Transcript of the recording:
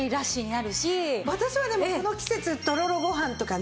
私はでもこの季節とろろご飯とかね。